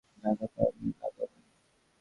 টাকা তো আমি লাগাবোই।